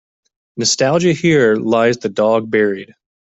Nostalgia Here lies the dog buried.